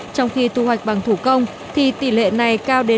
trong khi thu hoạch bằng thủ công thì tỷ lệ này cao đến một mươi ba